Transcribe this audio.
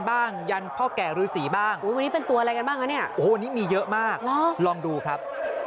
บางเพราะว่านี้มีเยอะมากลองดูครับ